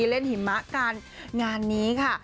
เล่นหิมะกันงานนี้ค่ะ